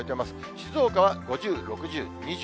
静岡は５０、６０、２０。